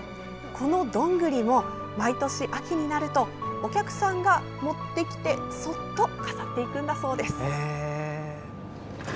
このどんぐりも毎年秋になるとお客さんが持ってきてそっと飾っていくんだそうです。